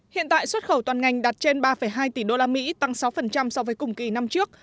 hiện tại xuất khẩu toàn ngành đạt trên ba hai tỷ usd tăng sáu so với cùng kỳ năm trước